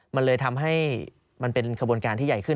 มันเลยทำให้มันเป็นขบวนการที่ใหญ่ขึ้น